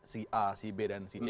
si a si b dan si c